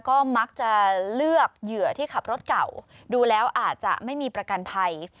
ก็มักจะเลือกเหยื่อที่ขับรถเก่าดูแล้วอาจจะไม่มีประกันภัย